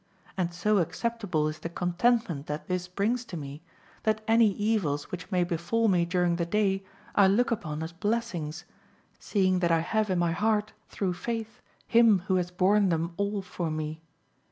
And so acceptable is the contentment that this brings to me, that any evils which may befall me during the day I look upon as blessings, seeing that I have in my heart, through faith, Him who has borne them all for me.